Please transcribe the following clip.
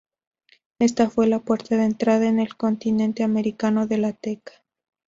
Esta fue la puerta de entrada en el continente americano de la teca.